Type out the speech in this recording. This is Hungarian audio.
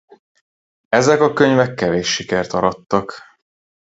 Ezek a könyvek kevés sikert arattak.